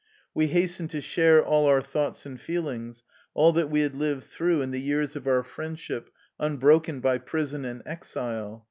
We hastened to share all our thoughts and feelings, all that we had lived through in the years of our friendship, unbroken by prison and exile.